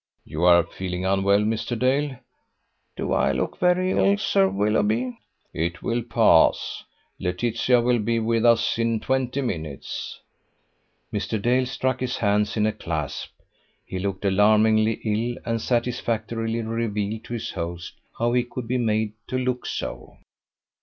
"You are feeling unwell, Mr. Dale." "Do I look very ill, Sir Willoughby?" "It will pass. Laetitia will be with us in twenty minutes." Mr. Dale struck his hands in a clasp. He looked alarmingly ill, and satisfactorily revealed to his host how he could be made to look so.